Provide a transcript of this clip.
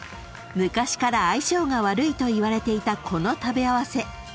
［昔から相性が悪いといわれていたこの食べ合わせ］